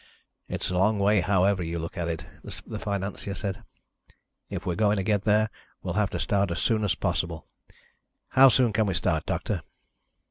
"It's a long way however you look at it," the financier said. "If we're going to get there, we'll have to start as soon as possible. How soon can we start, Doctor?"